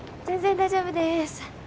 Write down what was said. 全然大丈夫です。